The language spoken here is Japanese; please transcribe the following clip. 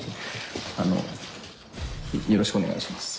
あのよろしくお願いします。